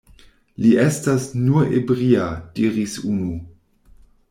Li estas nur ebria, diris unu.